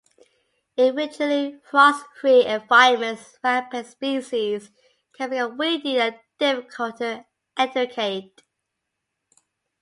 In virtually frost-free environments, rampant species can become weedy and difficult to eradicate.